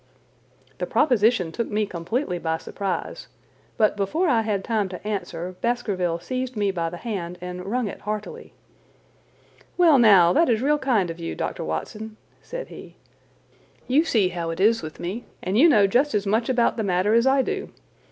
The proposition took me completely by surprise, but before I had time to answer, Baskerville seized me by the hand and wrung it heartily. "Well, now, that is real kind of you, Dr. Watson," said he. "You see how it is with me, and you know just as much about the matter as I do.